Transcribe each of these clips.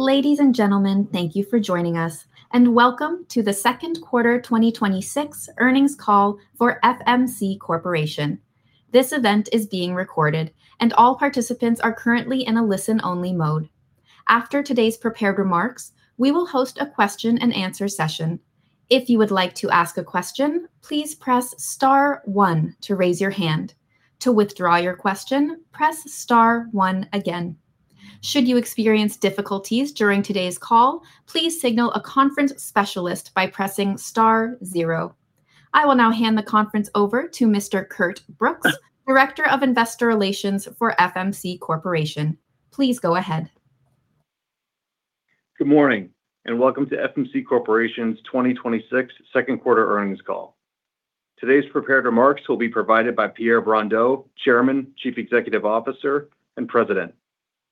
Ladies and gentlemen, thank you for joining us. Welcome to the second quarter 2026 earnings call for FMC Corporation. This event is being recorded and all participants are currently in a listen-only mode. After today's prepared remarks, we will host a question and answer session. If you would like to ask a question, please press star one to raise your hand. To withdraw your question, press star one again. Should you experience difficulties during today's call, please signal a conference specialist by pressing star zero. I will now hand the conference over to Mr. Curt Brooks, Director of Investor Relations for FMC Corporation. Please go ahead. Good morning. Welcome to FMC Corporation's 2026 second quarter earnings call. Today's prepared remarks will be provided by Pierre Brondeau, Chairman, Chief Executive Officer and President,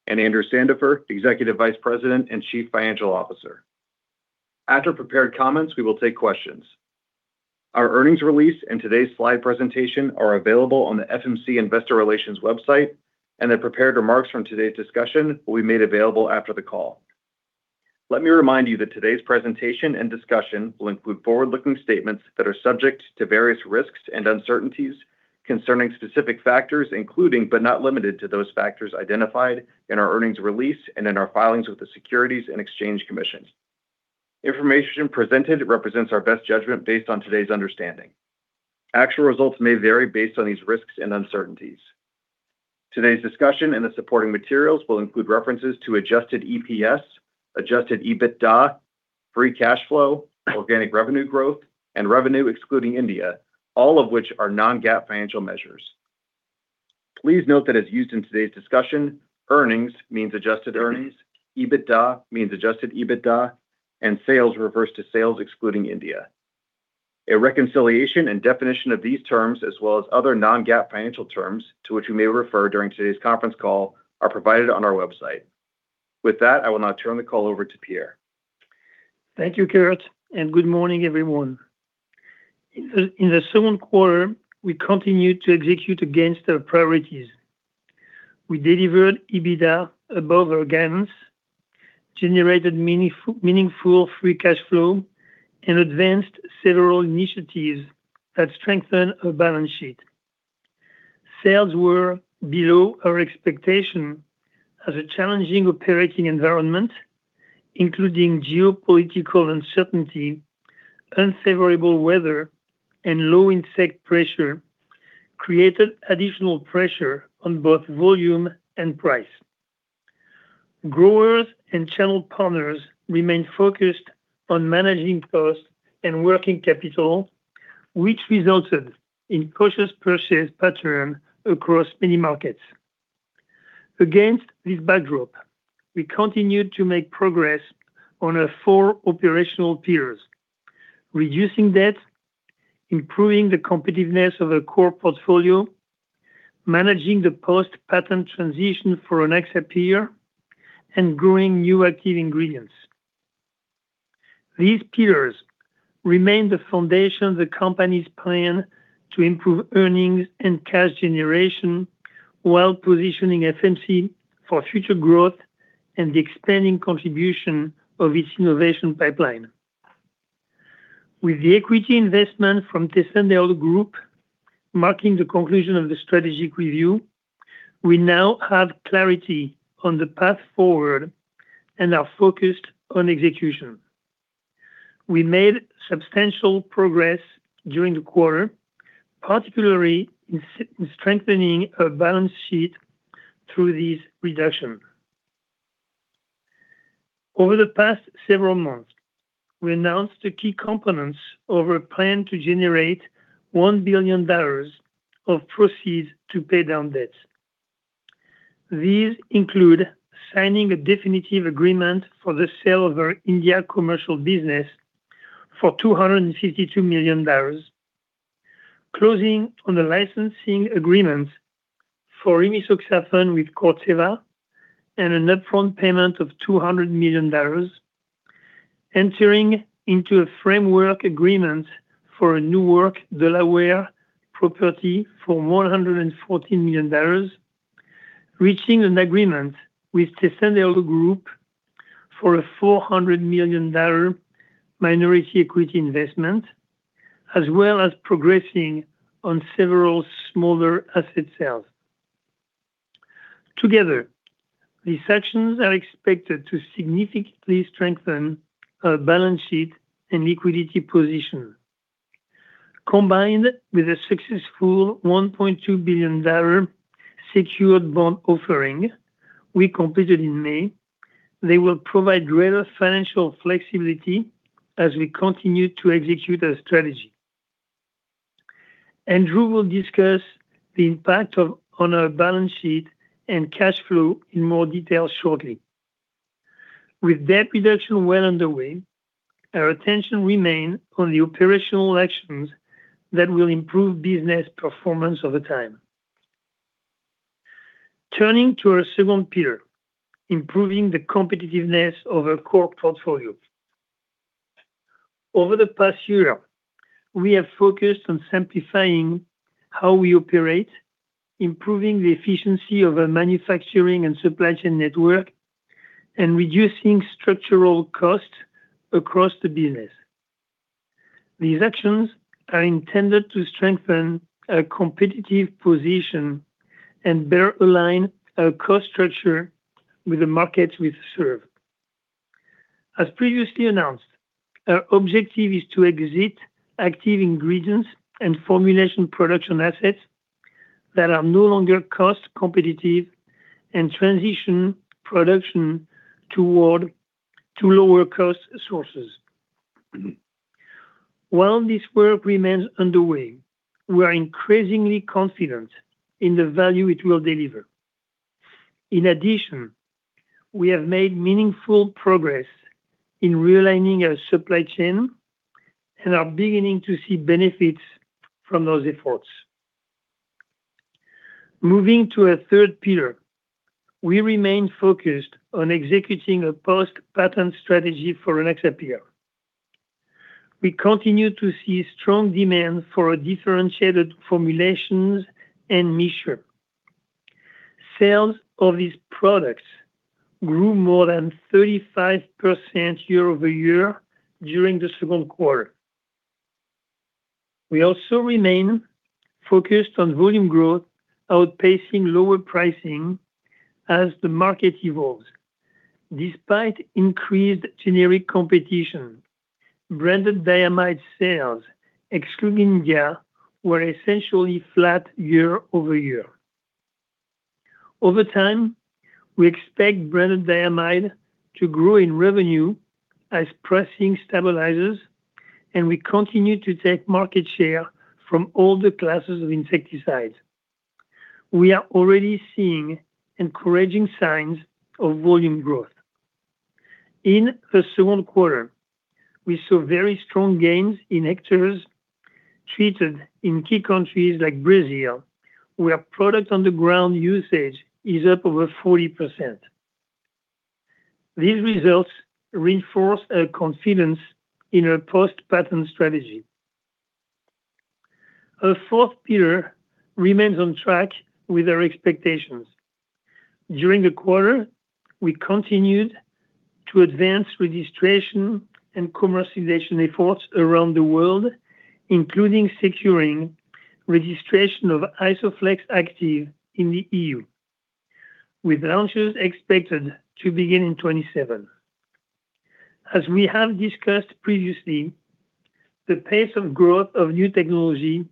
and Andrew Sandifer, Executive Vice President and Chief Financial Officer. After prepared comments, we will take questions. Our earnings release and today's slide presentation are available on the FMC Investor Relations website, and the prepared remarks from today's discussion will be made available after the call. Let me remind you that today's presentation and discussion will include forward-looking statements that are subject to various risks and uncertainties concerning specific factors, including but not limited to those factors identified in our earnings release and in our filings with the Securities and Exchange Commission. Information presented represents our best judgment based on today's understanding. Actual results may vary based on these risks and uncertainties. Today's discussion and the supporting materials will include references to adjusted EPS, adjusted EBITDA, free cash flow, organic revenue growth, and revenue excluding India, all of which are non-GAAP financial measures. Please note that as used in today's discussion, earnings means adjusted earnings, EBITDA means adjusted EBITDA and sales refers to sales excluding India. A reconciliation and definition of these terms as well as other non-GAAP financial terms, to which we may refer during today's conference call, are provided on our website. With that, I will now turn the call over to Pierre. Thank you, Curt. Good morning, everyone. In the second quarter, we continued to execute against our priorities. We delivered EBITDA above our guidance, generated meaningful free cash flow and advanced several initiatives that strengthen our balance sheet. Sales were below our expectation as a challenging operating environment, including geopolitical uncertainty, unfavorable weather and low insect pressure created additional pressure on both volume and price. Growers and channel partners remain focused on managing costs and working capital, which resulted in cautious purchase pattern across many markets. Against this backdrop, we continued to make progress on our four operational pillars. Reducing debt, improving the competitiveness of our core portfolio, managing the post-patent transition for our next year, and growing new active ingredients. These pillars remain the foundation of the company's plan to improve earnings and cash generation while positioning FMC for future growth and the expanding contribution of its innovation pipeline. With the equity investment from Tessenderlo Group marking the conclusion of the strategic review, we now have clarity on the path forward and are focused on execution. We made substantial progress during the quarter, particularly in strengthening our balance sheet through these reductions. Over the past several months, we announced the key components of our plan to generate $1 billion of proceeds to pay down debt. These include signing a definitive agreement for the sale of our India commercial business for $252 million. Closing on the licensing agreement for rimisoxafen with Corteva and an upfront payment of $200 million. Entering into a framework agreement for a Newark, Delaware property for $114 million. Reaching an agreement with Tessenderlo Group for a $400 million minority equity investment. As well as progressing on several smaller asset sales. Together, these actions are expected to significantly strengthen our balance sheet and liquidity position. Combined with a successful $1.2 billion secured bond offering we completed in May, they will provide greater financial flexibility as we continue to execute our strategy. Andrew will discuss the impact on our balance sheet and cash flow in more detail shortly. With debt reduction well underway, our attention remains on the operational actions that will improve business performance over time. Turning to our second pillar, improving the competitiveness of our core portfolio. Over the past year, we have focused on simplifying how we operate, improving the efficiency of our manufacturing and supply chain network, and reducing structural costs across the business. These actions are intended to strengthen our competitive position and better align our cost structure with the markets we serve. As previously announced, our objective is to exit active ingredients and formulation production assets that are no longer cost-competitive and transition production toward lower-cost sources. While this work remains underway, we are increasingly confident in the value it will deliver. In addition, we have made meaningful progress in realigning our supply chain and are beginning to see benefits from those efforts. Moving to our third pillar, we remain focused on executing a post-patent strategy for Rynaxypyr. We continue to see strong demand for our differentiated formulations and mixture. Sales of these products grew more than 35% year-over-year during the second quarter. We also remain focused on volume growth, outpacing lower pricing as the market evolves. Despite increased generic competition, branded diamide sales, excluding India, were essentially flat year-over-year. Over time, we expect branded diamide to grow in revenue as pricing stabilizes, and we continue to take market share from all the classes of insecticides. We are already seeing encouraging signs of volume growth. In the second quarter, we saw very strong gains in hectares treated in key countries like Brazil, where product on the ground usage is up over 40%. These results reinforce our confidence in our post-patent strategy. Our fourth pillar remains on track with our expectations. During the quarter, we continued to advance registration and commercialization efforts around the world, including securing registration of Isoflex active in the EU, with launches expected to begin in 2027. As we have discussed previously, the pace of growth of new technology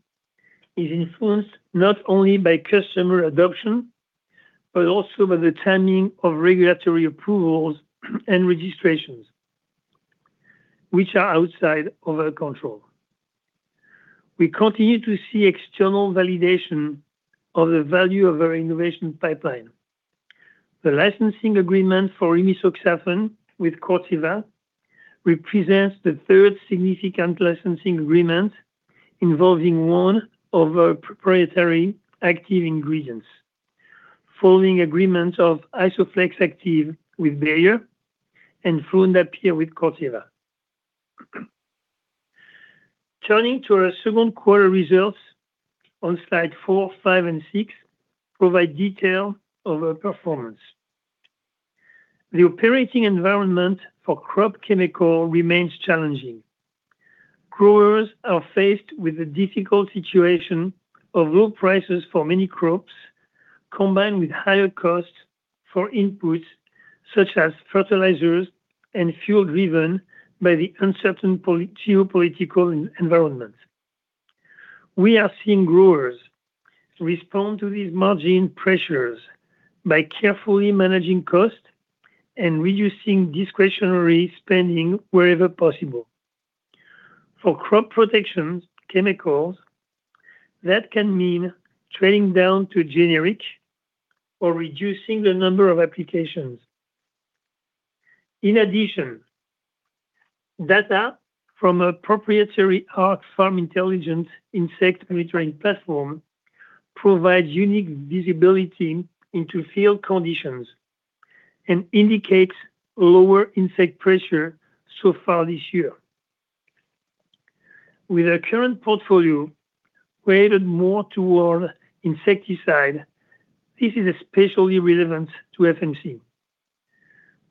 is influenced not only by customer adoption, but also by the timing of regulatory approvals and registrations, which are outside of our control. We continue to see external validation of the value of our innovation pipeline. The licensing agreement for rimisoxafen with Corteva represents the third significant licensing agreement involving one of our proprietary active ingredients, following agreements of Isoflex active with Bayer and fluindapyr with Corteva. Turning to our second quarter results on slide four, five, and six, provide detail of our performance. The operating environment for crop chemicals remains challenging. Growers are faced with a difficult situation of low prices for many crops, combined with higher costs for inputs such as fertilizers and fuel, driven by the uncertain geopolitical environment. We are seeing growers respond to these margin pressures by carefully managing costs and reducing discretionary spending wherever possible. For crop protection chemicals, that can mean trading down to generic or reducing the number of applications. In addition, data from our proprietary Arc farm intelligence insect monitoring platform provides unique visibility into field conditions and indicates lower insect pressure so far this year. With our current portfolio weighted more toward insecticide, this is especially relevant to FMC.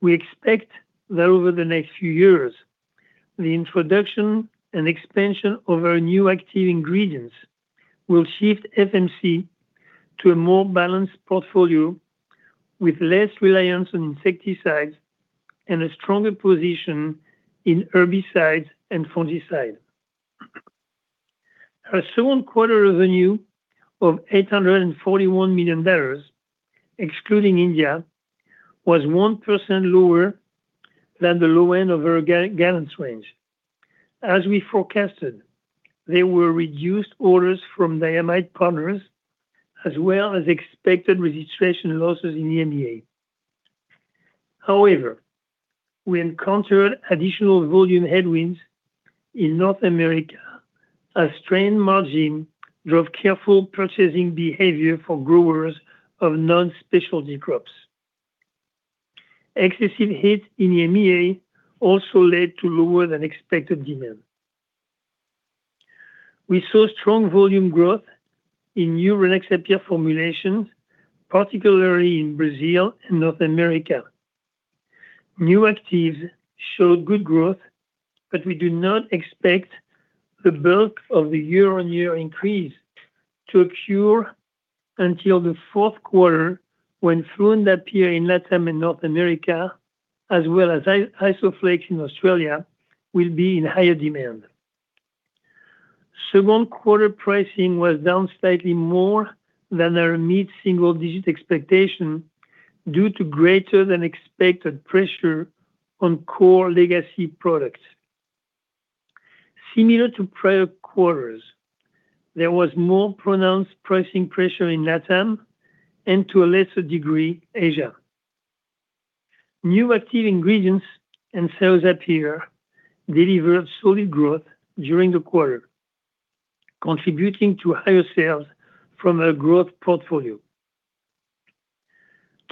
We expect that over the next few years, the introduction and expansion of our new active ingredients will shift FMC to a more balanced portfolio with less reliance on insecticides and a stronger position in herbicides and fungicides. Our second quarter revenue of $841 million, excluding India, was 1% lower than the low end of our guidance range. As we forecasted, there were reduced orders from diamide partners, as well as expected registration losses in the EMEA. However, we encountered additional volume headwinds in North America as strained margins drove careful purchasing behavior for growers of non-specialty crops. Excessive heat in EMEA also led to lower than expected demand. We saw strong volume growth in new Rynaxypyr formulations, particularly in Brazil and North America. New actives showed good growth, but we do not expect the bulk of the year-on-year increase to occur until the fourth quarter, when fluindapyr in LATAM and North America, as well as Isoflex in Australia, will be in higher demand. Second quarter pricing was down slightly more than our mid-single digit expectation due to greater than expected pressure on core legacy products. Similar to prior quarters, there was more pronounced pricing pressure in LATAM and, to a lesser degree, Asia. New active ingredients and Cyazypyr delivered solid growth during the quarter, contributing to higher sales from our growth portfolio.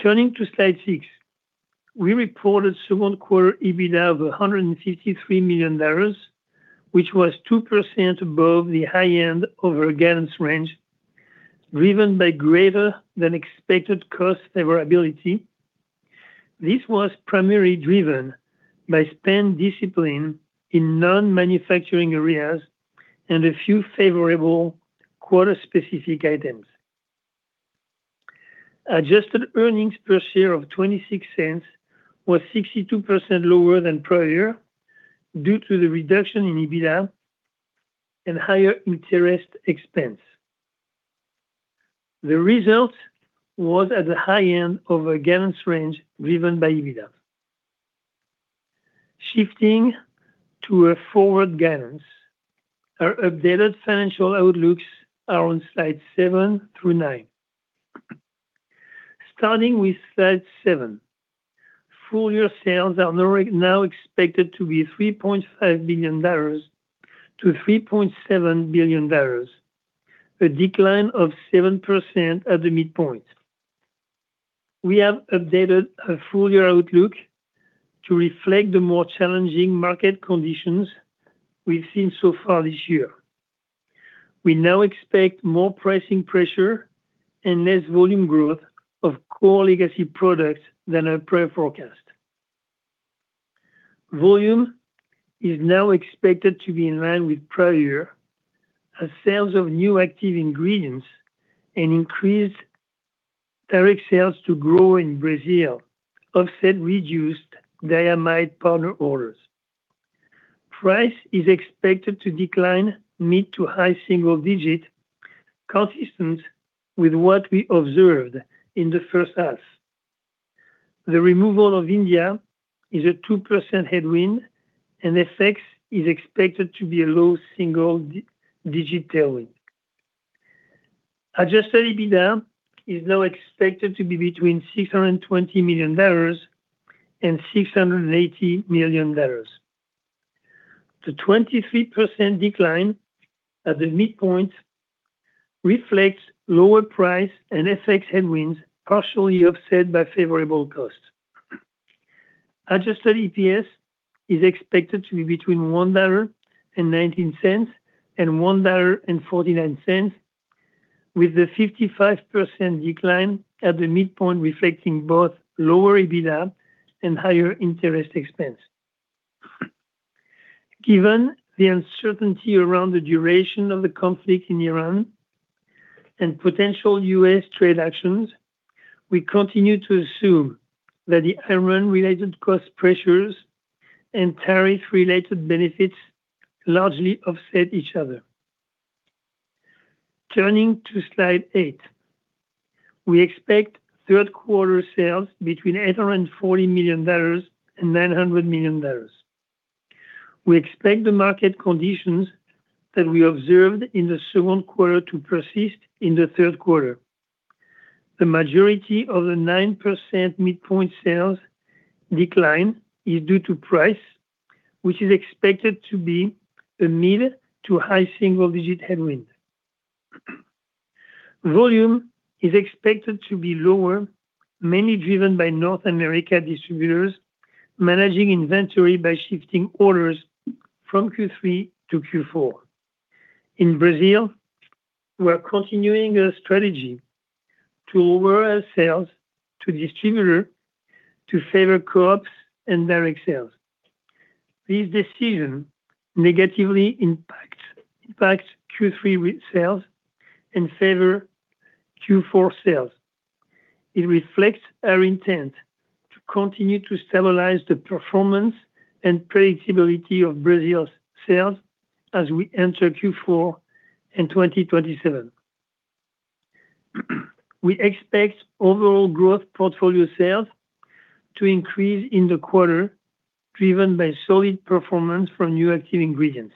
Turning to slide six, we reported second quarter EBITDA of $153 million, which was 2% above the high end of our guidance range, driven by greater than expected cost favorability. This was primarily driven by spend discipline in non-manufacturing areas and a few favorable quarter-specific items. Adjusted earnings per share of $0.26 was 62% lower than prior year due to the reduction in EBITDA and higher interest expense. The result was at the high end of our guidance range driven by EBITDA. Shifting to our forward guidance. Our updated financial outlooks are on slide seven through nine. Starting with slide seven, full-year sales are now expected to be $3.6 billion-$3.8 billion, a decline of 7% at the midpoint. We have updated our full-year outlook to reflect the more challenging market conditions we've seen so far this year. We now expect more pricing pressure and less volume growth of core legacy products than our prior forecast. Volume is now expected to be in line with prior year as sales of new active ingredients and increased direct sales to grow in Brazil offset reduced diamide partner orders. Price is expected to decline mid to high single-digit, consistent with what we observed in the first half. The removal of India is a 2% headwind, and FX is expected to be a low single-digit tailwind. Adjusted EBITDA is now expected to be between $670 million and $730 million. The 23% decline at the midpoint reflects lower price and FX headwinds, partially offset by favorable costs. Adjusted EPS is expected to be between $1.63 and $1.89, with the 55% decline at the midpoint reflecting both lower EBITDA and higher interest expense. Given the uncertainty around the duration of the conflict in Iran and potential U.S. trade actions, we continue to assume that the Iran-related cost pressures and tariff-related benefits largely offset each other. Turning to slide eight, we expect third quarter sales between $840 million and $900 million. We expect the market conditions that we observed in the second quarter to persist in the third quarter. The majority of the 9% midpoint sales decline is due to price, which is expected to be a mid to high single-digit headwind. Volume is expected to be lower, mainly driven by North America distributors managing inventory by shifting orders from Q3 to Q4. In Brazil, we're continuing our strategy to lower our sales to distributors to favor co-ops and direct sales. This decision negatively impacts Q3 sales in favor Q4 sales. It reflects our intent to continue to stabilize the performance and predictability of Brazil's sales as we enter Q4 in 2027. We expect overall growth portfolio sales to increase in the quarter, driven by solid performance from new active ingredients.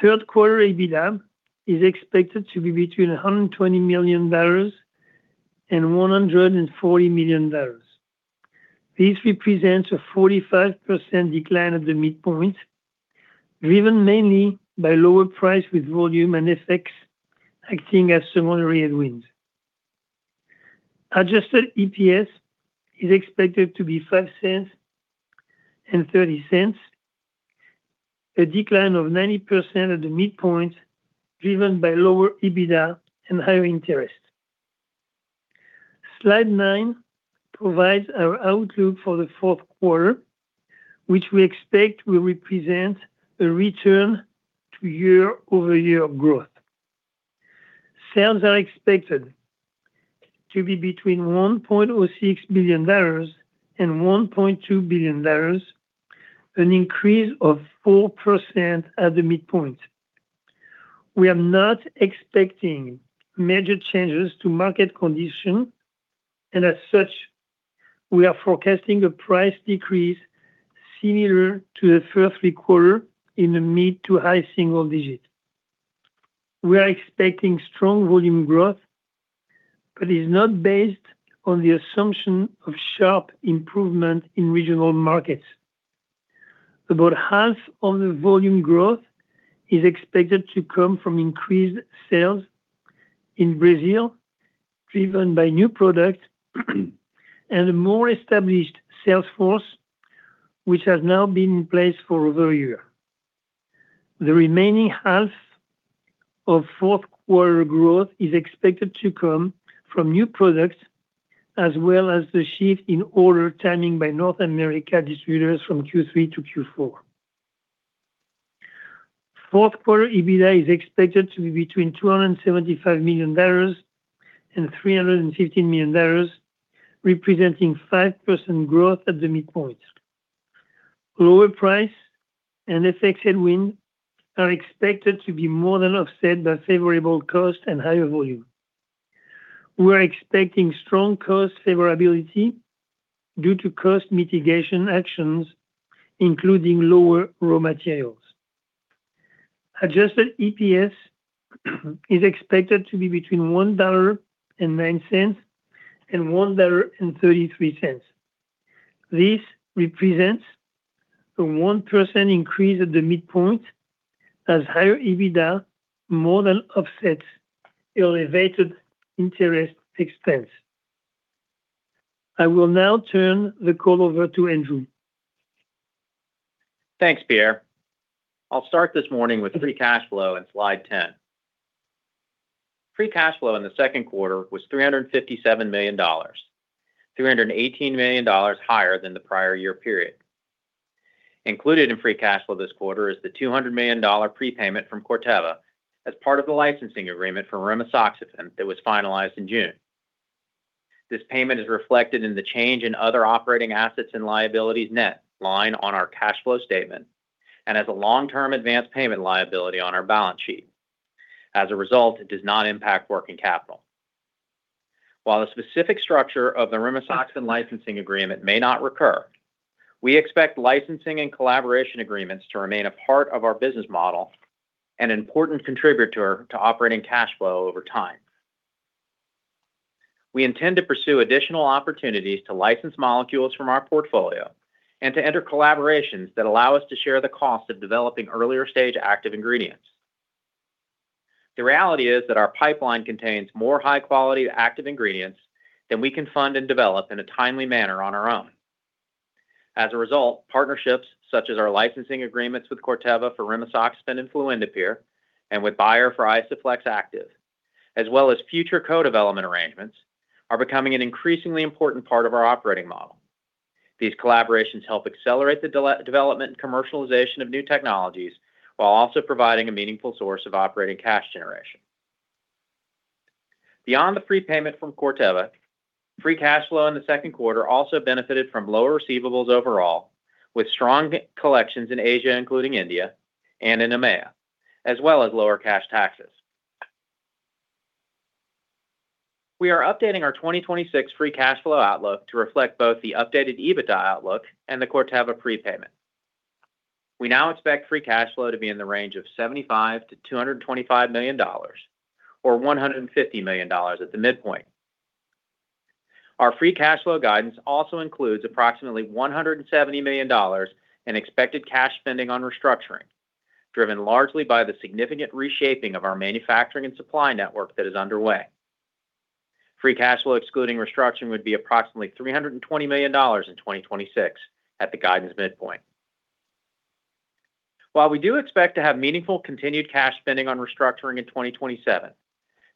Third quarter EBITDA is expected to be between $120 million and $140 million. This represents a 45% decline at the midpoint, driven mainly by lower price with volume and FX acting as some [unrealized] wins. Adjusted EPS is expected to be $0.05 and $0.30, a decline of 90% at the midpoint, driven by lower EBITDA and higher interest. Slide nine provides our outlook for the fourth quarter, which we expect will represent a return to year-over-year growth. Sales are expected to be between $1.06 billion and $1.2 billion, an increase of 4% at the midpoint. We are not expecting major changes to market condition, and as such, we are forecasting a price decrease similar to the first three quarters in the mid to high single-digit. We are expecting strong volume growth, but it is not based on the assumption of sharp improvement in regional markets. About half of the volume growth is expected to come from increased sales in Brazil, driven by new products and a more established sales force, which has now been in place for over a year. The remaining half of fourth quarter growth is expected to come from new products as well as the shift in order timing by North America distributors from Q3 to Q4. Fourth quarter EBITDA is expected to be between $275 million and $315 million, representing 5% growth at the midpoint. Lower price and FX headwind are expected to be more than offset by favorable cost and higher volume. We're expecting strong cost favorability due to cost mitigation actions, including lower raw materials. Adjusted EPS is expected to be between $1.09 and $1.33. This represents a 1% increase at the midpoint as higher EBITDA more than offsets elevated interest expense. I will now turn the call over to Andrew. Thanks, Pierre. I will start this morning with free cash flow in slide 10. Free cash flow in the second quarter was $357 million, $318 million higher than the prior year period. Included in free cash flow this quarter is the $200 million prepayment from Corteva as part of the licensing agreement for rimisoxafen that was finalized in June. This payment is reflected in the change in other operating assets and liabilities net line on our cash flow statement, and as a long-term advanced payment liability on our balance sheet. As a result, it does not impact working capital. While the specific structure of the rimisoxafen licensing agreement may not recur, we expect licensing and collaboration agreements to remain a part of our business model and an important contributor to operating cash flow over time. We intend to pursue additional opportunities to license molecules from our portfolio and to enter collaborations that allow us to share the cost of developing earlier-stage active ingredients. The reality is that our pipeline contains more high-quality active ingredients than we can fund and develop in a timely manner on our own. As a result, partnerships such as our licensing agreements with Corteva for rimisoxafen and fluindapyr, and with Bayer for Isoflex active, as well as future co-development arrangements, are becoming an increasingly important part of our operating model. These collaborations help accelerate the development and commercialization of new technologies while also providing a meaningful source of operating cash generation. Beyond the prepayment from Corteva, free cash flow in the second quarter also benefited from lower receivables overall, with strong collections in Asia, including India and in EMEA, as well as lower cash taxes. We are updating our 2026 free cash flow outlook to reflect both the updated EBITDA outlook and the Corteva prepayment. We now expect free cash flow to be in the range of $75 million-$225 million, or $150 million at the midpoint. Our free cash flow guidance also includes approximately $170 million in expected cash spending on restructuring, driven largely by the significant reshaping of our manufacturing and supply network that is underway. Free cash flow excluding restructuring would be approximately $320 million in 2026 at the guidance midpoint. While we do expect to have meaningful continued cash spending on restructuring in 2027,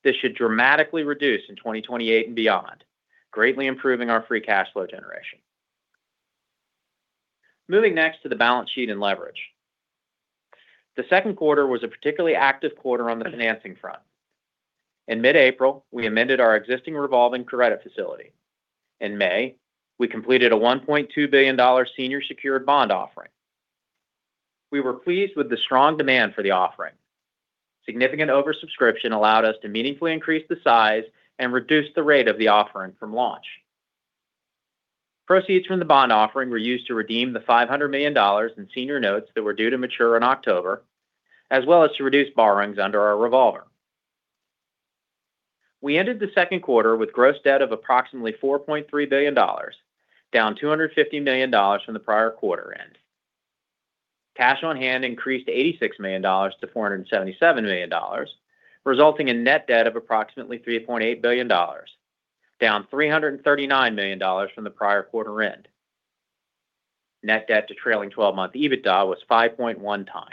this should dramatically reduce in 2028 and beyond, greatly improving our free cash flow generation. Moving next to the balance sheet and leverage. The second quarter was a particularly active quarter on the financing front. In mid-April, we amended our existing revolving credit facility. In May, we completed a $1.2 billion senior secured bond offering. We were pleased with the strong demand for the offering. Significant oversubscription allowed us to meaningfully increase the size and reduce the rate of the offering from launch. Proceeds from the bond offering were used to redeem the $500 million in senior notes that were due to mature in October, as well as to reduce borrowings under our revolver. We ended the second quarter with gross debt of approximately $4.3 billion, down $250 million from the prior quarter end. Cash on hand increased $86 million to $477 million, resulting in net debt of approximately $3.8 billion, down $339 million from the prior quarter end. Net debt to trailing 12-month EBITDA was 5.1x.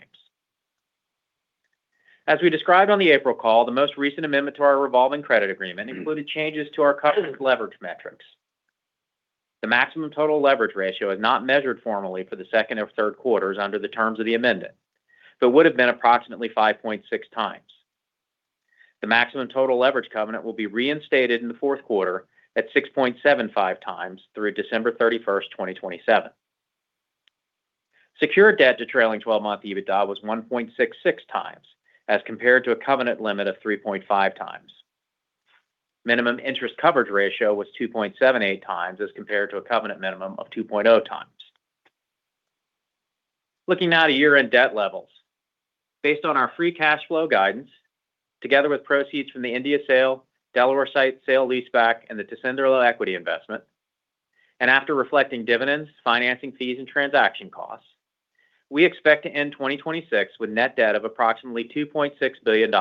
As we described on the April call, the most recent amendment to our revolving credit agreement included changes to our covenant leverage metrics. The maximum total leverage ratio is not measured formally for the second or third quarters under the terms of the amendment, but would've been approximately 5.6x. The maximum total leverage covenant will be reinstated in the fourth quarter at 6.75x through December 31st, 2027. Secured debt to trailing 12-month EBITDA was 1.66x as compared to a covenant limit of 3.5x. Minimum interest coverage ratio was 2.78x as compared to a covenant minimum of 2.0x. Looking now at year-end debt levels. Based on our free cash flow guidance, together with proceeds from the India sale, Delaware site sale leaseback, and the Tessenderlo equity investment, and after reflecting dividends, financing fees, and transaction costs, we expect to end 2026 with net debt of approximately $2.6 billion.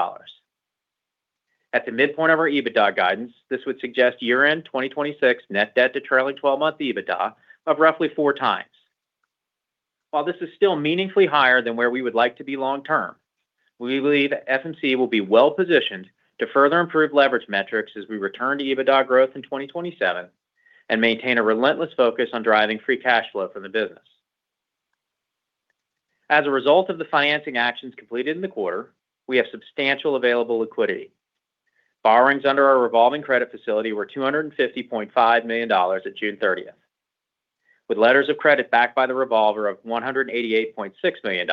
At the midpoint of our EBITDA guidance, this would suggest year-end 2026 net debt to trailing 12-month EBITDA of roughly 4x. While this is still meaningfully higher than where we would like to be long term, we believe FMC will be well-positioned to further improve leverage metrics as we return to EBITDA growth in 2027 and maintain a relentless focus on driving free cash flow from the business. As a result of the financing actions completed in the quarter, we have substantial available liquidity. Borrowings under our revolving credit facility were $250.5 million at June 30th. With letters of credit backed by the revolver of $188.6 million,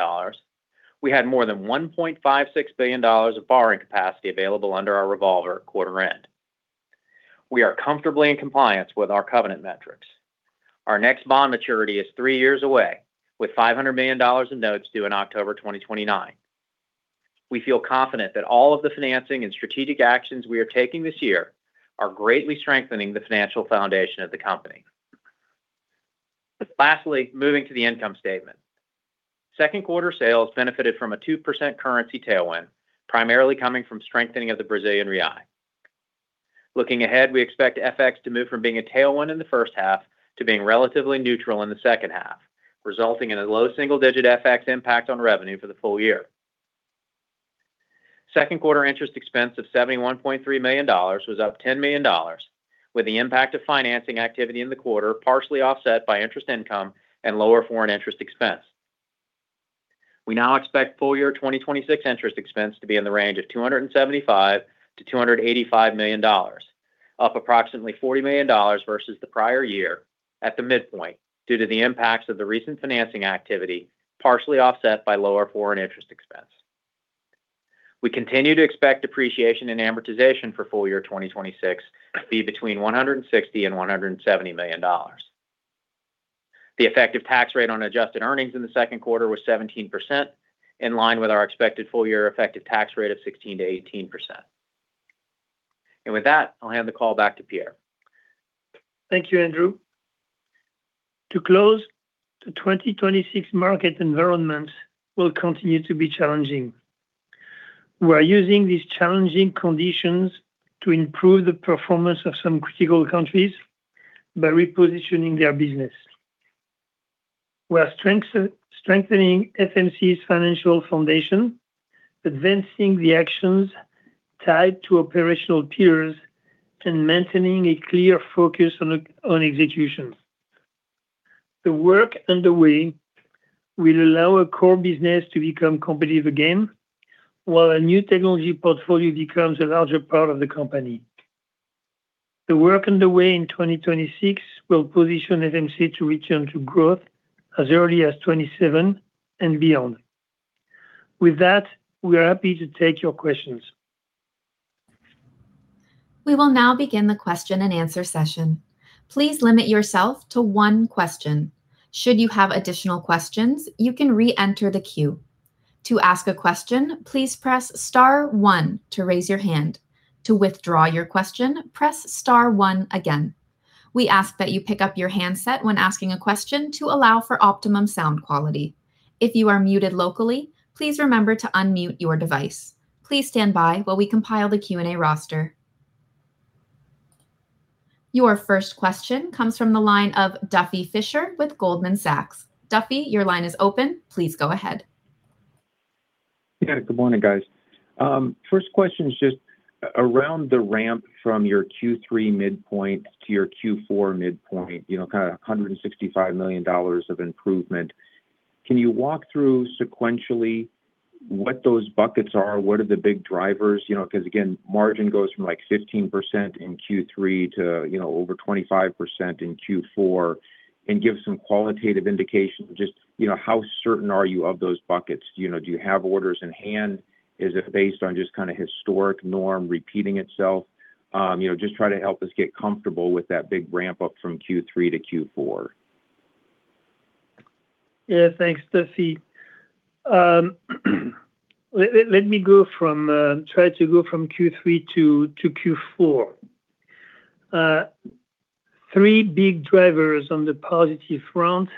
we had more than $1.56 billion of borrowing capacity available under our revolver at quarter end. We are comfortably in compliance with our covenant metrics. Our next bond maturity is three years away, with $500 million in notes due in October 2029. We feel confident that all of the financing and strategic actions we are taking this year are greatly strengthening the financial foundation of the company. Lastly, moving to the income statement. Second quarter sales benefited from a 2% currency tailwind, primarily coming from strengthening of the Brazilian real. Looking ahead, we expect FX to move from being a tailwind in the first half to being relatively neutral in the second half, resulting in a low single-digit FX impact on revenue for the full year. Second quarter interest expense of $71.3 million was up $10 million, with the impact of financing activity in the quarter partially offset by interest income and lower foreign interest expense. We now expect full year 2026 interest expense to be in the range of $275 million-$285 million, up approximately $40 million versus the prior year at the midpoint due to the impacts of the recent financing activity, partially offset by lower foreign interest expense. We continue to expect depreciation in amortization for full year 2026 to be between $160 million and $170 million. The effective tax rate on adjusted earnings in the second quarter was 17%, in line with our expected full-year effective tax rate of 16%-18%. With that, I'll hand the call back to Pierre. Thank you, Andrew. To close, the 2026 market environment will continue to be challenging. We're using these challenging conditions to improve the performance of some critical countries by repositioning their business. We are strengthening FMC's financial foundation, advancing the actions tied to operational peers, and maintaining a clear focus on execution. The work underway will allow our core business to become competitive again, while our new technology portfolio becomes a larger part of the company. The work underway in 2026 will position FMC to return to growth as early as 2027 and beyond. With that, we are happy to take your questions. We will now begin the question and answer session. Please limit yourself to one question. Should you have additional questions, you can re-enter the queue. To ask a question, please press star one to raise your hand. To withdraw your question, press star one again. We ask that you pick up your handset when asking a question to allow for optimum sound quality. If you are muted locally, please remember to unmute your device. Please stand by while we compile the Q&A roster. Your first question comes from the line of Duffy Fischer with Goldman Sachs. Duffy, your line is open. Please go ahead. Good morning, guys. First question is just around the ramp from your Q3 midpoint to your Q4 midpoint, kind of $165 million of improvement. Can you walk through sequentially what those buckets are? What are the big drivers? Because again, margin goes from like 15% in Q3 to over 25% in Q4. Give some qualitative indication, just how certain are you of those buckets? Do you have orders in hand? Is it based on just kind of historic norm repeating itself? Just try to help us get comfortable with that big ramp up from Q3 to Q4. Thanks, Duffy. Let me try to go from Q3 to Q4. Three big drivers on the positive front.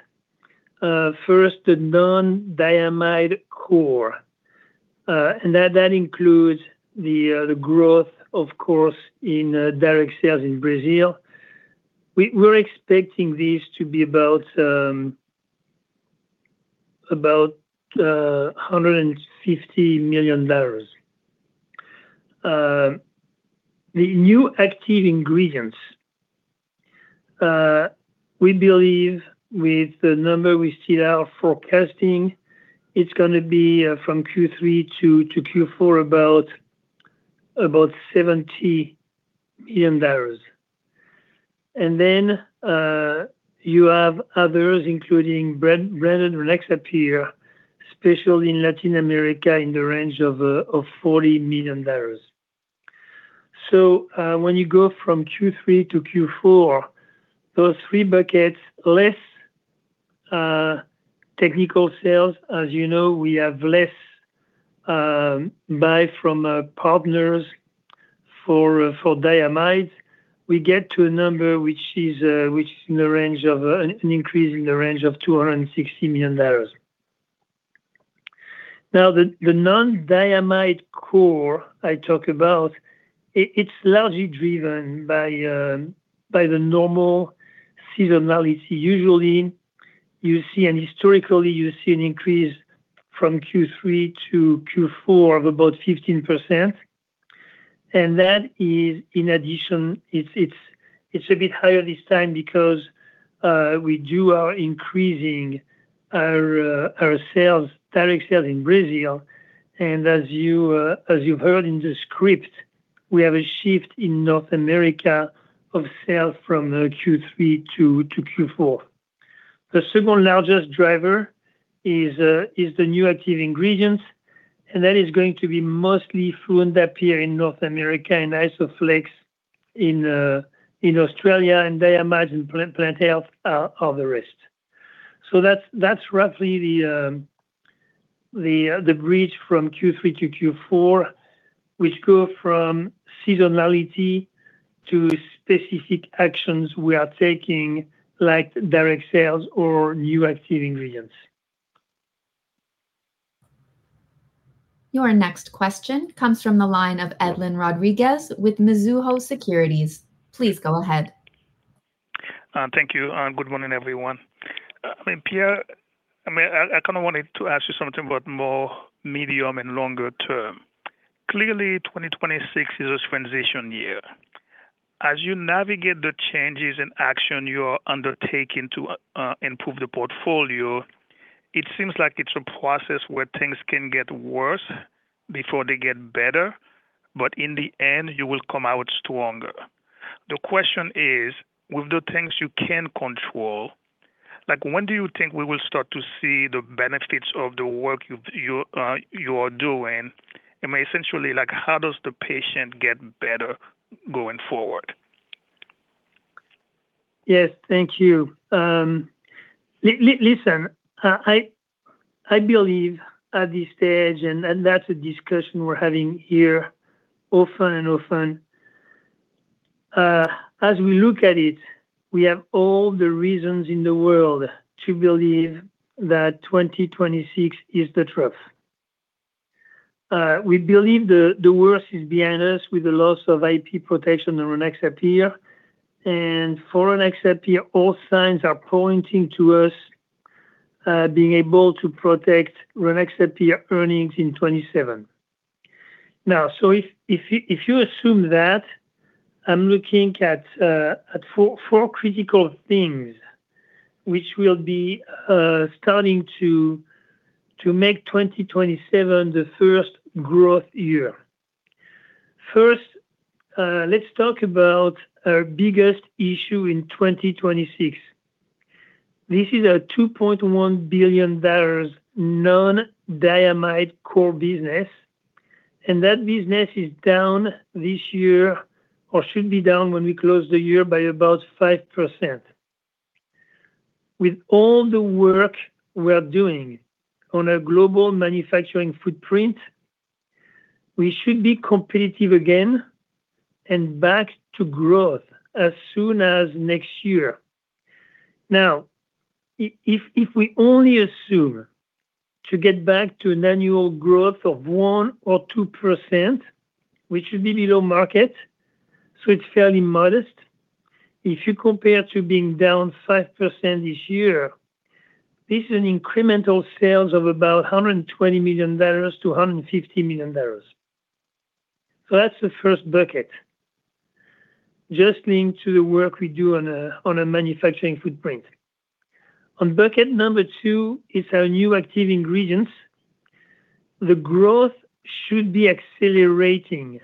First, the non-diamide core, and that includes the growth, of course, in direct sales in Brazil. We're expecting this to be about $150 million. The new active ingredients. We believe with the number we see now forecasting, it's going to be from Q3 to Q4, about $70 million. Then you have others, including brand Rynaxypyr, especially in Latin America, in the range of $40 million. When you go from Q3 to Q4, those three buckets, less technical sales. As you know, we have less buy from partners for diamides. We get to a number which is an increase in the range of $260 million. The non-diamide core I talk about, it's largely driven by the normal seasonality. Usually, and historically, you see an increase from Q3 to Q4 of about 15%. That is, in addition, it's a bit higher this time because we do our increasing our direct sales in Brazil. As you've heard in the script, we have a shift in North America of sales from Q3 to Q4. The second-largest driver is the new active ingredients, and that is going to be mostly fluindapyr in North America and Isoflex in Australia and diamide, Plant Health, all the rest. That's roughly the bridge from Q3 to Q4, which go from seasonality to specific actions we are taking, like direct sales or new active ingredients. Your next question comes from the line of Edlain Rodriguez with Mizuho Securities. Please go ahead. Thank you, and good morning, everyone. Pierre, I kind of wanted to ask you something about more medium and longer term. Clearly, 2026 is a transition year. As you navigate the changes and action you are undertaking to improve the portfolio, it seems like it's a process where things can get worse before they get better, but in the end, you will come out stronger. The question is, with the things you can control, when do you think we will start to see the benefits of the work you are doing? Essentially, how does the patient get better going forward? Yes. Thank you. Listen, I believe at this stage, that's a discussion we're having here often and often. As we look at it, we have all the reasons in the world to believe that 2026 is the trough. We believe the worst is behind us with the loss of IP protection on Rynaxypyr. For Rynaxypyr, all signs are pointing to us being able to protect Rynaxypyr earnings in 2027. If you assume that, I'm looking at four critical things which will be starting to make 2027 the first growth year. First, let's talk about our biggest issue in 2026. This is a $2.1 billion non-diamide core business, and that business is down this year or should be down when we close the year by about 5%. With all the work we are doing on a global manufacturing footprint, we should be competitive again and back to growth as soon as next year. If we only assume to get back to an annual growth of 1% or 2%, which should be below market, it's fairly modest. If you compare to being down 5% this year, this is an incremental sales of about $120 million-$150 million. That's the first bucket. Just linked to the work we do on a manufacturing footprint. On bucket number two is our new active ingredients. The growth should be accelerating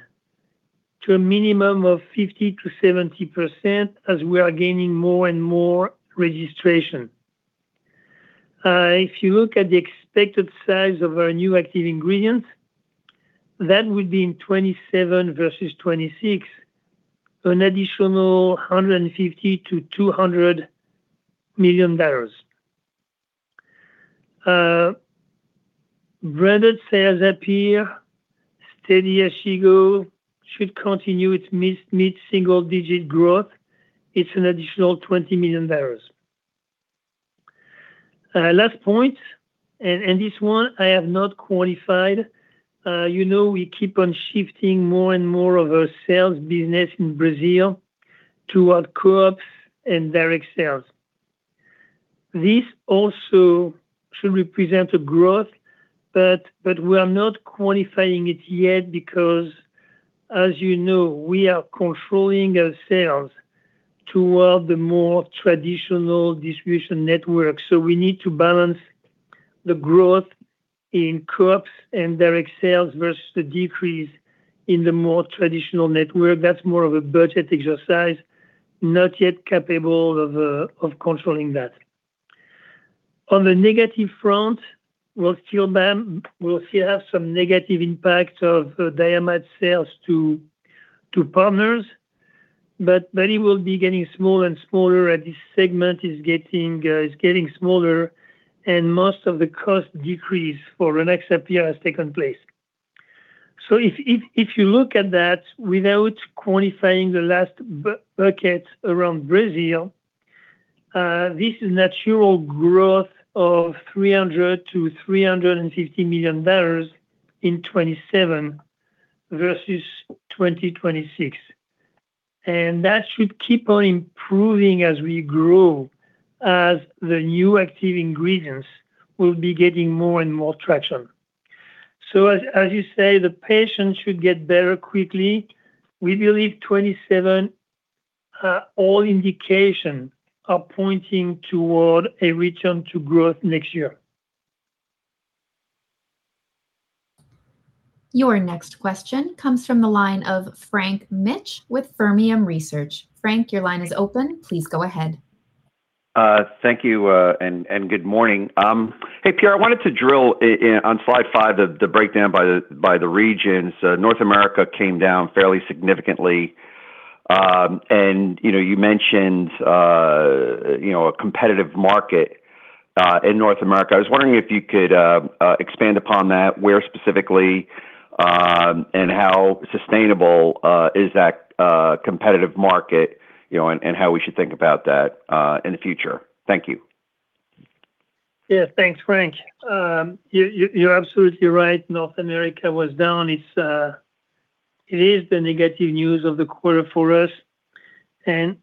to a minimum of 50%-70% as we are gaining more and more registration. If you look at the expected size of our new active ingredients, that would be in 2027 versus 2026, an additional $150 million-$200 million. Branded sales appear steady as she go, should continue its mid-single digit growth. It's an additional $20 million. Last point, this one I have not qualified. You know we keep on shifting more and more of our sales business in Brazil toward co-ops and direct sales. This also should represent a growth, but we are not quantifying it yet because, as you know, we are controlling our sales toward the more traditional distribution network. We need to balance the growth in co-ops and direct sales versus the decrease in the more traditional network. That's more of a budget exercise, not yet capable of controlling that. On the negative front, we'll still have some negative impacts of diamide sales to partners. It will be getting smaller and smaller, and this segment is getting smaller and most of the cost decrease for Rynaxypyr has taken place. If you look at that without quantifying the last bucket around Brazil, this is natural growth of $300 million-$350 million in 2027 versus 2026. That should keep on improving as we grow, as the new active ingredients will be getting more and more traction. As you say, the patient should get better quickly. We believe 2027, all indications are pointing toward a return to growth next year. Your next question comes from the line of Frank Mitsch with Fermium Research. Frank, your line is open. Please go ahead. Thank you, and good morning. Hey, Pierre, I wanted to drill on slide five, the breakdown by the regions. North America came down fairly significantly. You mentioned a competitive market in North America. I was wondering if you could expand upon that. Where specifically, and how sustainable is that competitive market, and how we should think about that in the future. Thank you. Yeah. Thanks, Frank. You're absolutely right, North America was down. It is the negative news of the quarter for us. There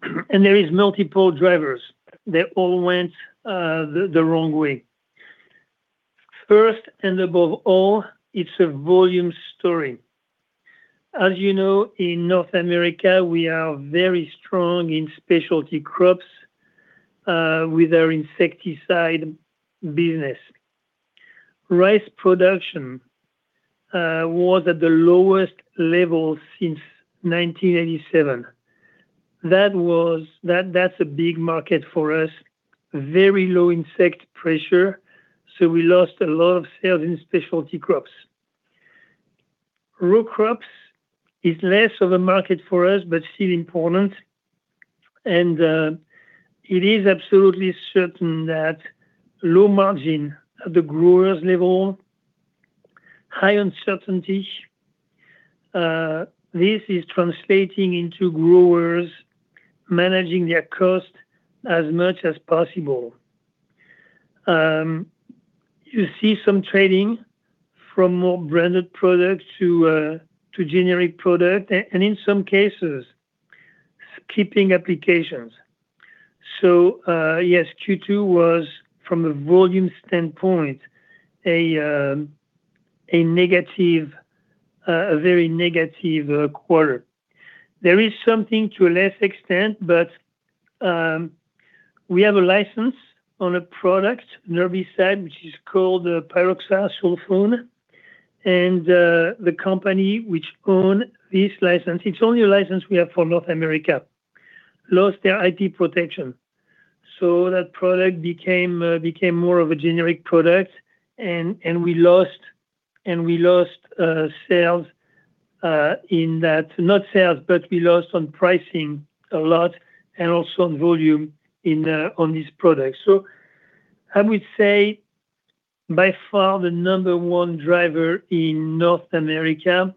is multiple drivers. They all went the wrong way. First, above all, it's a volume story. As you know, in North America, we are very strong in specialty crops with our insecticide business. Rice production was at the lowest level since 1987. That's a big market for us. Very low insect pressure, so we lost a lot of sales in specialty crops. Row crops is less of a market for us, but still important. It is absolutely certain that low margin at the growers level, high uncertainty. This is translating into growers managing their cost as much as possible. You see some trading from more branded products to generic product, and in some cases, skipping applications. Yes, Q2 was, from a volume standpoint, a very negative quarter. There is something to a less extent, but we have a license on a product, an herbicide, which is called pyroxasulfone. The company which own this license, it's only a license we have for North America, lost their IP protection. That product became more of a generic product, and we lost sales in that. Not sales, but we lost on pricing a lot, and also on volume on this product. I would say by far the number-one driver in North America,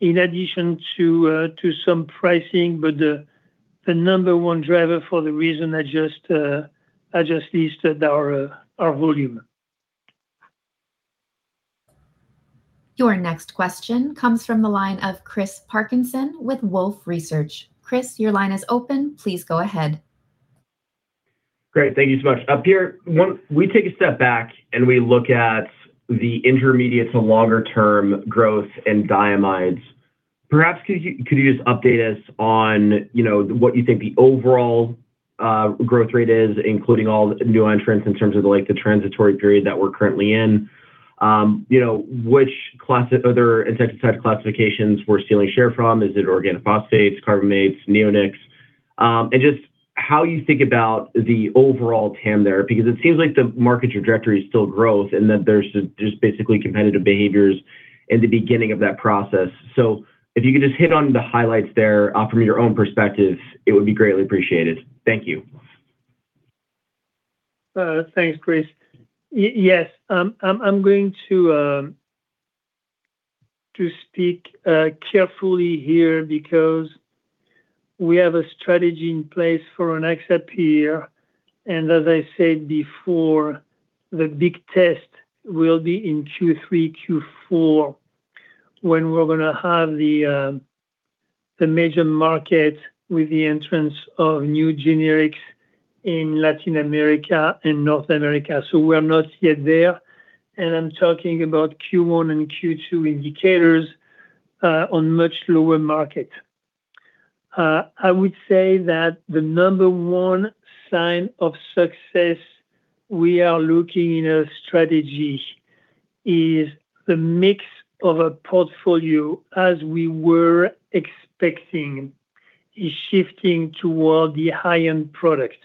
in addition to some pricing, but the number-one driver for the reason I just listed are volume. Your next question comes from the line of Chris Parkinson with Wolfe Research. Chris, your line is open. Please go ahead. Great. Thank you so much. Hi, Pierre. We take a step back, we look at the intermediate to longer-term growth in diamides. Perhaps could you just update us on what you think the overall growth rate is, including all new entrants in terms of the transitory period that we're currently in? Which other insecticide classifications we're stealing share from? Is it organophosphates, carbamates, neonicotinoids? Just how you think about the overall TAM there, because it seems like the market trajectory is still growth and that there's just basically competitive behaviors in the beginning of that process. If you could just hit on the highlights there from your own perspective, it would be greatly appreciated. Thank you. Thanks, Chris. Yes. I'm going to speak carefully here because we have a strategy in place for Rynaxypyr. As I said before, the big test will be in Q3, Q4, when we're going to have the major market with the entrance of new generics in Latin America and North America. We're not yet there. I'm talking about Q1 and Q2 indicators on much lower market. I would say that the number one sign of success we are looking in a strategy is the mix of a portfolio, as we were expecting, is shifting toward the high-end product.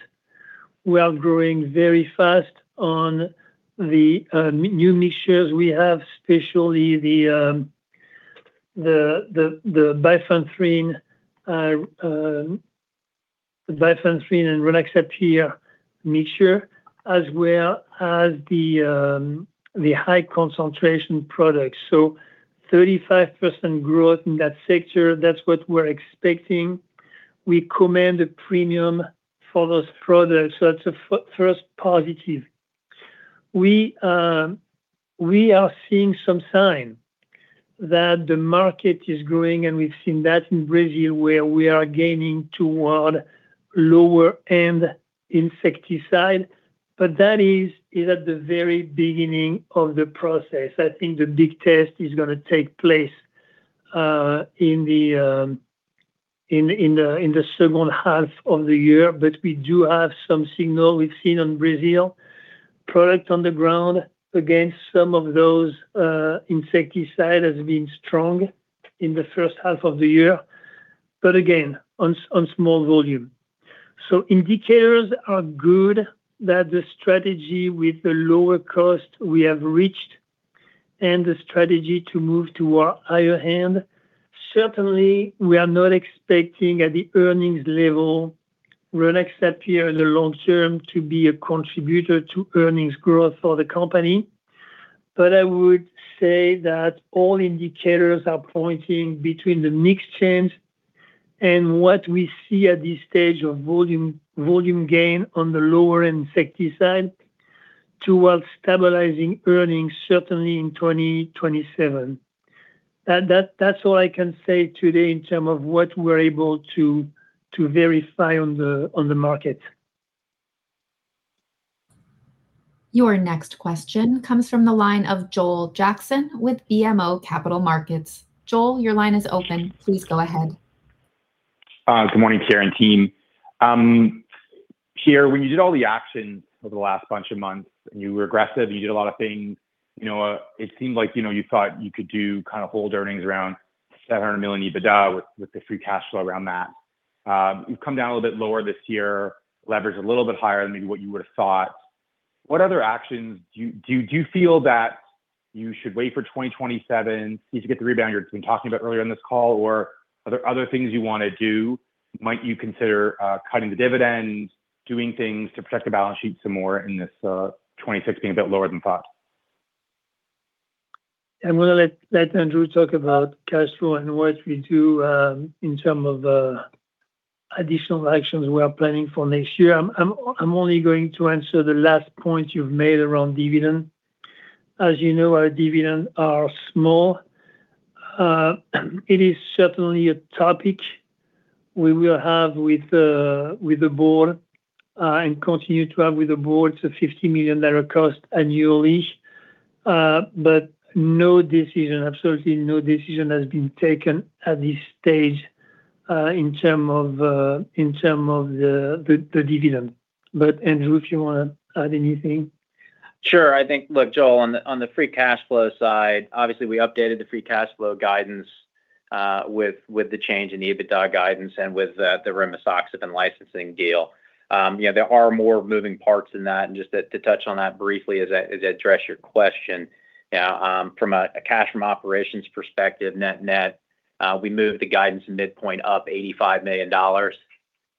We are growing very fast on the new mixtures we have, especially the bifenthrin and Rynaxypyr mixture, as well as the high-concentration products. 35% growth in that sector, that's what we're expecting. We command a premium for those products, so it's a first positive. We are seeing some sign that the market is growing, we've seen that in Brazil, where we are gaining toward lower-end insecticide. That is at the very beginning of the process. I think the big test is going to take place in the second half of the year. We do have some signal we've seen on Brazil. Product on the ground against some of those insecticide has been strong in the first half of the year. Again, on small volume. Indicators are good that the strategy with the lower cost we have reached and the strategy to move to our higher end. Certainly, we are not expecting at the earnings level Rynaxypyr in the long term to be a contributor to earnings growth for the company. I would say that all indicators are pointing between the mix change and what we see at this stage of volume gain on the lower insecticide towards stabilizing earnings certainly in 2027. That is all I can say today in terms of what we are able to verify on the market. Your next question comes from the line of Joel Jackson with BMO Capital Markets. Joel, your line is open. Please go ahead. Good morning, Pierre and team. Pierre, when you did all the actions over the last bunch of months, and you were aggressive, you did a lot of things. It seemed like you thought you could hold earnings around $700 million EBITDA with the free cash flow around that. You have come down a little bit lower this year, leverage a little bit higher than maybe what you would have thought. What other actions? Do you feel that you should wait for 2027, need to get the rebound you have been talking about earlier on this call, or are there other things you want to do? Might you consider cutting the dividend, doing things to protect the balance sheet some more in this 2026 being a bit lower than thought? I am going to let Andrew talk about cash flow and what we do in terms of additional actions we are planning for next year. I am only going to answer the last point you have made around dividend. As you know, our dividend are small. It is certainly a topic we will have with the Board and continue to have with the Board. It is a $50 million cost annually. No decision, absolutely no decision has been taken at this stage in terms of the dividend. Andrew, if you want to add anything. Sure. I think, look, Joel, on the free cash flow side, obviously we updated the free cash flow guidance with the change in EBITDA guidance and with the rimisoxafen licensing deal. There are more moving parts in that. Just to touch on that briefly as I address your question. From a cash from operations perspective, net net, we moved the guidance midpoint up $85 million.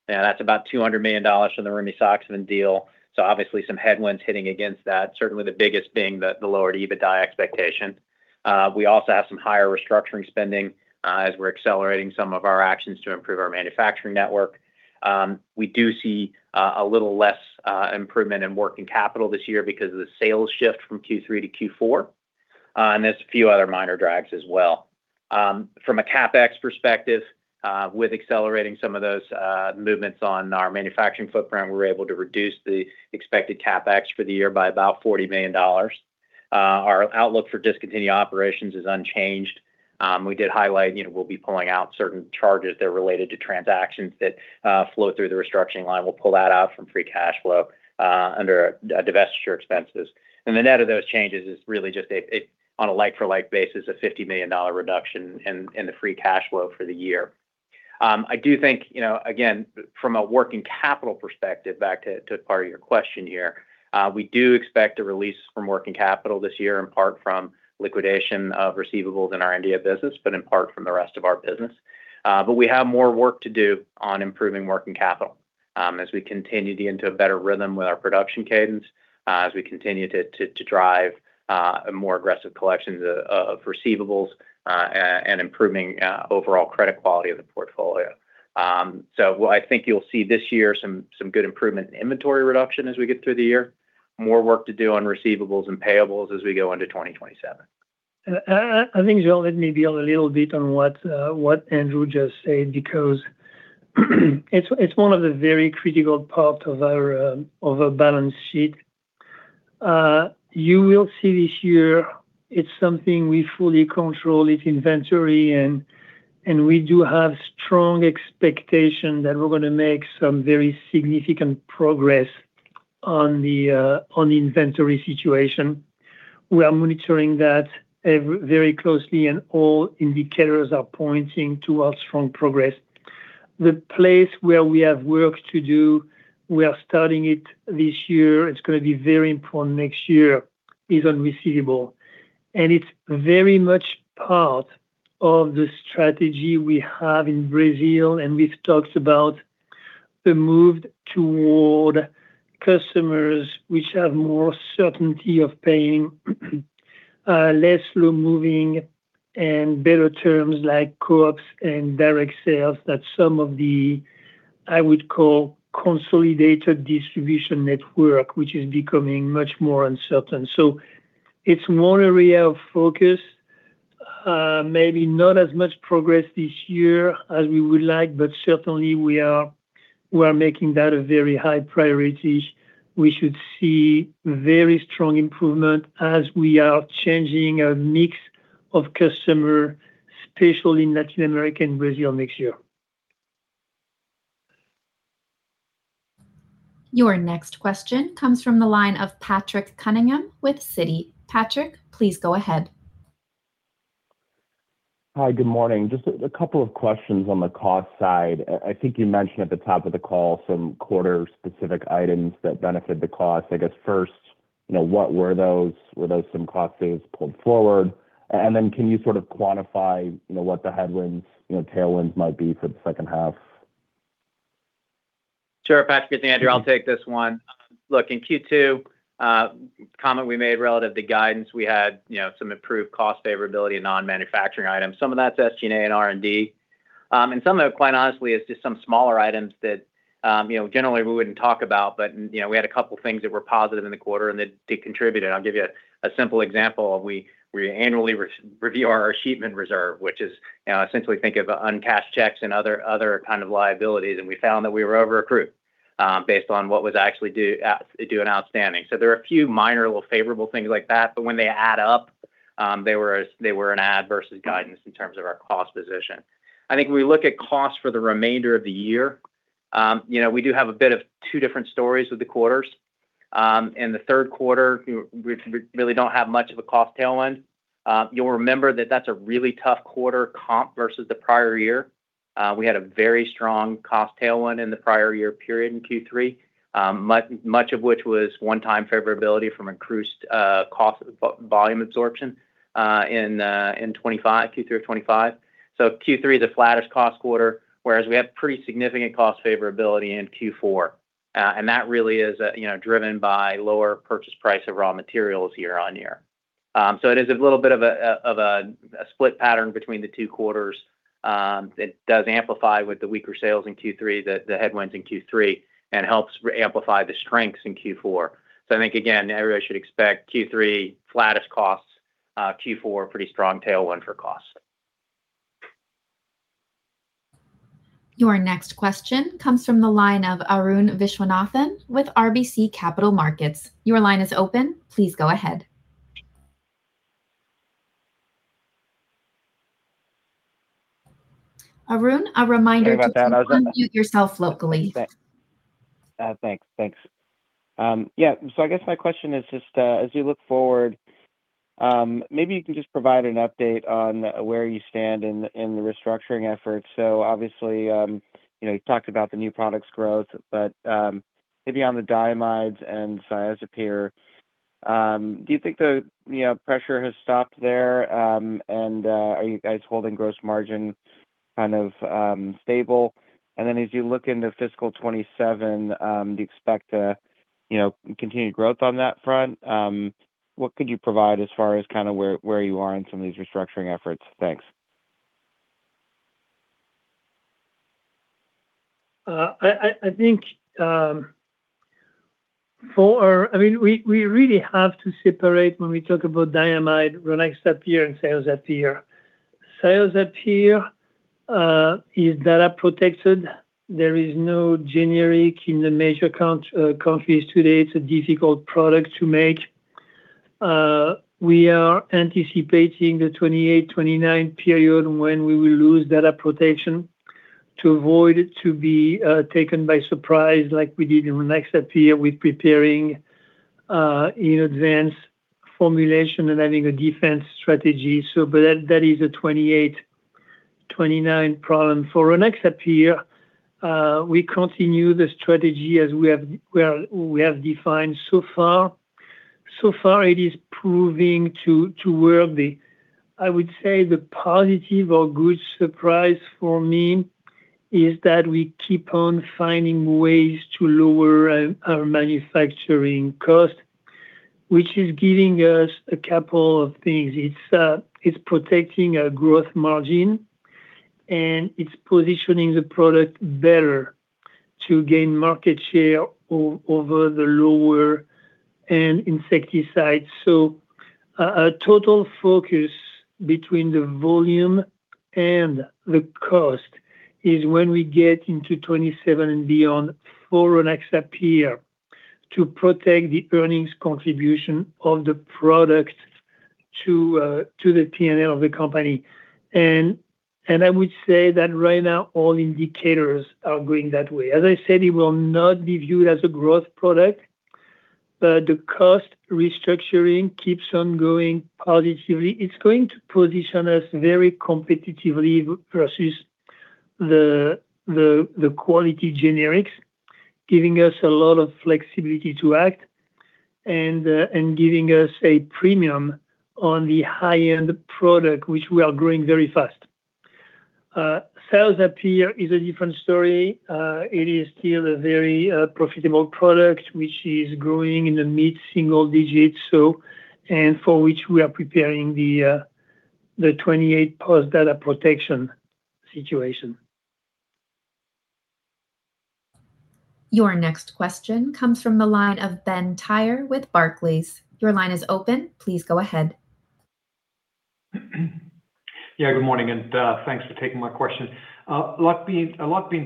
That's about $200 million from the rimisoxafen deal. Obviously some headwinds hitting against that, certainly the biggest being the lower EBITDA expectation. We also have some higher restructuring spending as we're accelerating some of our actions to improve our manufacturing network. We do see a little less improvement in working capital this year because of the sales shift from Q3 to Q4. There's a few other minor drags as well. From a CapEx perspective, with accelerating some of those movements on our manufacturing footprint, we were able to reduce the expected CapEx for the year by about $40 million. Our outlook for discontinued operations is unchanged. We did highlight we'll be pulling out certain charges that are related to transactions that flow through the restructuring line. We'll pull that out from free cash flow under divestiture expenses. The net of those changes is really just, on a like-for-like basis, a $50 million reduction in the free cash flow for the year. I do think, again, from a working capital perspective, back to part of your question here, we do expect a release from working capital this year, in part from liquidation of receivables in our India business, but in part from the rest of our business. We have more work to do on improving working capital as we continue to get into a better rhythm with our production cadence, as we continue to drive a more aggressive collection of receivables, and improving overall credit quality of the portfolio. I think you'll see this year some good improvement in inventory reduction as we get through the year. More work to do on receivables and payables as we go into 2027. I think, Joel, let me build a little bit on what Andrew just said, because it's one of the very critical parts of our balance sheet. You will see this year it's something we fully control, it's inventory, and we do have strong expectation that we're going to make some very significant progress on the inventory situation. We are monitoring that very closely, and all indicators are pointing to a strong progress. The place where we have work to do, we are starting it this year, it's going to be very important next year, is on receivable. It's very much part of the strategy we have in Brazil, and we've talked about the move toward customers which have more certainty of paying, less slow-moving and better terms like co-ops and direct sales, that some of the, I would call consolidated distribution network, which is becoming much more uncertain. It's one area of focus. Maybe not as much progress this year as we would like, but certainly we are making that a very high priority. We should see very strong improvement as we are changing a mix of customer, especially in Latin America and Brazil next year. Your next question comes from the line of Patrick Cunningham with Citi. Patrick, please go ahead. Hi, good morning. Just a couple of questions on the cost side. I think you mentioned at the top of the call some quarter-specific items that benefit the cost. I guess first, what were those? Were those some cost saves pulled forward? Then can you quantify what the headwinds, tailwinds might be for the second half? Sure, Patrick, it's Andrew. I'll take this one. Look, in Q2, comment we made relative to guidance, we had some improved cost favorability in non-manufacturing items. Some of that's SG&A and R&D. Some of it, quite honestly, is just some smaller items that generally we wouldn't talk about, but we had a couple things that were positive in the quarter, and they contributed. I'll give you a simple example. We annually review our [shipment] reserve, which is essentially think of uncashed checks and other kind of liabilities, and we found that we were over-accrued based on what was actually due and outstanding. There are a few minor little favorable things like that, but when they add up, they were an adverse to guidance in terms of our cost position. I think when we look at costs for the remainder of the year, we do have a bit of two different stories with the quarters. In the third quarter, we really don't have much of a cost tailwind. You'll remember that that's a really tough quarter comp versus the prior year. We had a very strong cost tailwind in the prior year period in Q3, much of which was one-time favorability from accrued cost volume absorption in Q3 of 2025. Q3 is the flattest cost quarter, whereas we have pretty significant cost favorability in Q4. That really is driven by lower purchase price of raw materials year-on-year. It is a little bit of a split pattern between the two quarters. It does amplify with the weaker sales in Q3, the headwinds in Q3, and helps amplify the strengths in Q4. I think, again, everybody should expect Q3 flattest costs, Q4 pretty strong tailwind for costs. Your next question comes from the line of Arun Viswanathan with RBC Capital Markets. Your line is open. Please go ahead. Arun, a reminder to- Sorry about that. I was on- Unmute yourself locally. Thanks. I guess my question is just, as you look forward, maybe you can just provide an update on where you stand in the restructuring efforts. Obviously, you talked about the new products growth, but maybe on the diamides and Cyazypyr, do you think the pressure has stopped there? Are you guys holding gross margin stable? As you look into fiscal 2027, do you expect continued growth on that front? What could you provide as far as where you are on some of these restructuring efforts? Thanks. We really have to separate when we talk about diamide, Rynaxypyr and Cyazypyr. Cyazypyr is data-protected. There is no generic in the major countries today. It's a difficult product to make. We are anticipating the 2028, 2029 period when we will lose data protection. To avoid it to be taken by surprise like we did in Rynaxypyr, we're preparing in advance formulation and having a defense strategy. That is a 2028, 2029 problem. For Rynaxypyr, we continue the strategy as we have defined so far. So far, it is proving to worthy. I would say the positive or good surprise for me is that we keep on finding ways to lower our manufacturing cost, which is giving us a couple of things. It's protecting our gross margin and it's positioning the product better to gain market share over the lower-end insecticides. A total focus between the volume and the cost is when we get into 2027 and beyond for Rynaxypyr to protect the earnings contribution of the product to the P&L of the company. I would say that right now all indicators are going that way. As I said, it will not be viewed as a growth product, but the cost restructuring keeps on going positively. It's going to position us very competitively versus the quality generics, giving us a lot of flexibility to act and giving us a premium on the high-end product, which we are growing very fast. Cyazypyr is a different story. It is still a very profitable product, which is growing in the mid-single digits, and for which we are preparing the 2028 post-data protection situation. Your next question comes from the line of Ben Theurer with Barclays. Your line is open. Please go ahead. Yeah, good morning. Thanks for taking my question. A lot being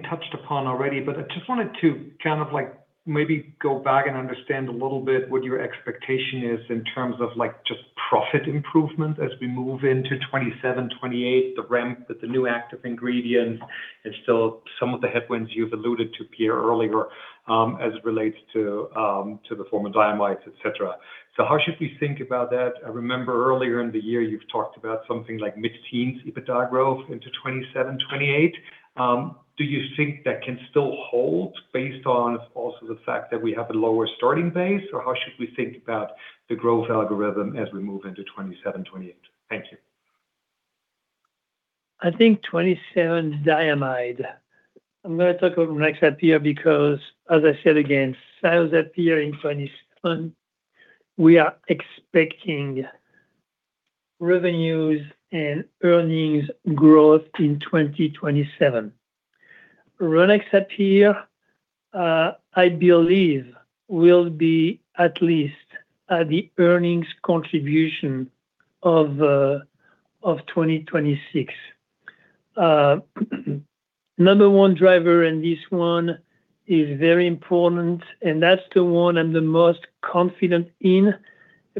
touched upon already, I just wanted to maybe go back and understand a little bit what your expectation is in terms of just profit improvement as we move into 2027, 2028, the ramp with the new active ingredient, and still some of the headwinds you've alluded to, Pierre, earlier, as it relates to the diamides, et cetera. How should we think about that? I remember earlier in the year you've talked about something like mid-teens EBITDA growth into 2027, 2028. Do you think that can still hold based on also the fact that we have a lower starting base, or how should we think about the growth algorithm as we move into 2027, 2028? Thank you. I think 2027 diamide. I'm going to talk about Rynaxypyr because, as I said again, Cyazypyr in 2027. We are expecting revenues and earnings growth in 2027. Rynaxypyr, I believe will be at least the earnings contribution of 2026. Number one driver in this one is very important. That's the one I'm the most confident in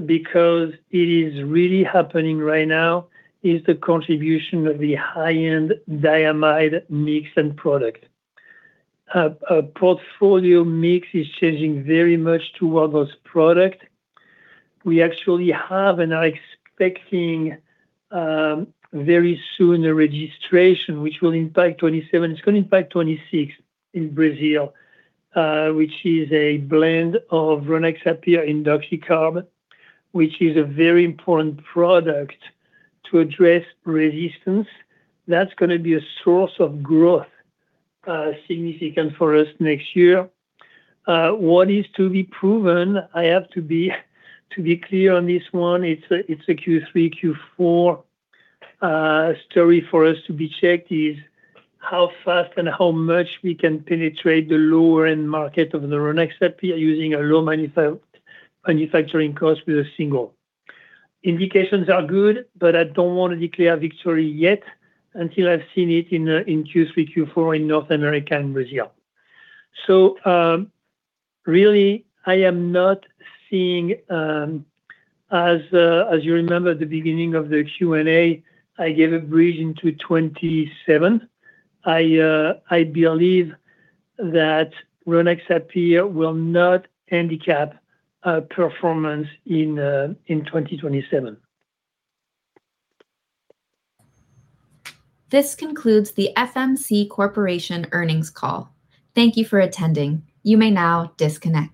because it is really happening right now, is the contribution of the high-end diamide mix and product. Our portfolio mix is changing very much towards those product. We actually have and are expecting very soon a registration which will impact 2027. It's going to impact 2026 in Brazil, which is a blend of Rynaxypyr indoxacarb, which is a very important product to address resistance. That's going to be a source of growth, significant for us next year. What is to be proven, I have to be clear on this one, it's a Q3, Q4 story for us to be checked, is how fast and how much we can penetrate the lower-end market of the Rynaxypyr using a low manufacturing cost with a single. Indications are good, but I don't want to declare victory yet until I've seen it in Q3, Q4 in North America and Brazil. Really, I am not seeing, as you remember at the beginning of the Q&A, I gave a bridge into 2027. I believe that Rynaxypyr will not handicap our performance in 2027. This concludes the FMC Corporation earnings call. Thank you for attending. You may now disconnect.